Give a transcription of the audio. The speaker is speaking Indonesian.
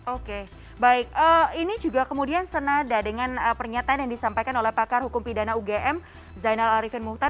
oke baik ini juga kemudian senada dengan pernyataan yang disampaikan oleh pakar hukum pidana ugm zainal arifin muhtar